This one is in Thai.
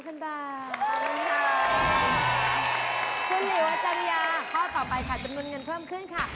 คุณหลิวอาจริยาข้อต่อไปค่ะจำนวนเงินเพิ่มขึ้นค่ะ